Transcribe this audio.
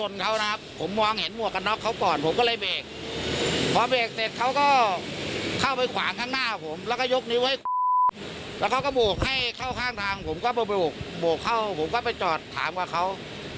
แล้วเขาก็โบกให้เข้าข้างทางผมก็โบกเข้าผมก็ไปจอดถามกับเขา